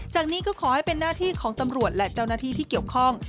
จากนี้ก็ขอให้เป็นหน้าที่ของตำรวจและเจ้าหน้าที่ที่เกี่ยวข้อง